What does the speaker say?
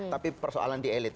tapi persoalan di elit